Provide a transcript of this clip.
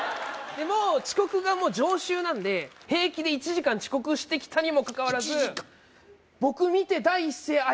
遅刻が常習なんで平気で１時間遅刻してきたにもかかわらず１時間？